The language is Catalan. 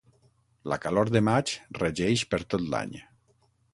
La calor de maig regeix per tot l'any.